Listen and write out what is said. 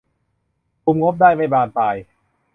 คุมงบได้ไม่บานปลาย